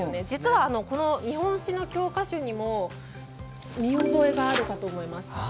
実は日本史の教科書にも見覚えがあるかと思います。